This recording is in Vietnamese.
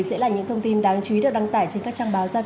sẽ là những thông tin đáng chú ý được đăng tải trên các trang báo giáo